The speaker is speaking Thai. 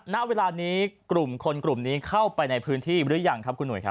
ณเวลานี้กลุ่มคนกลุ่มนี้เข้าไปในพื้นที่หรือยังครับคุณหุยครับ